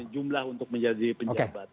jumlah untuk menjadi penjabat